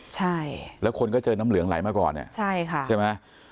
ใช่แล้วคนก็เจอน้ำเหลืองไหลมาก่อนเนี่ยใช่ค่ะใช่ไหม